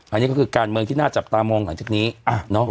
อันนี้ก็คือการเมืองที่น่าจับตามองหลังจากนี้